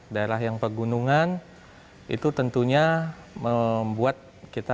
daerah yang pegunungan itu tentunya membuat kita